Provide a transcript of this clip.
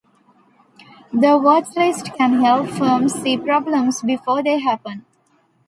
The watchlist can help firms see problems before they happen.